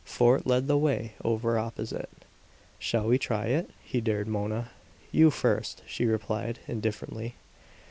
Fort led the way over opposite. "Shall we try it?" he dared Mona. "You first," she replied, indifferently.